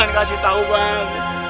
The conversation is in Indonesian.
jangan kasih tahu bang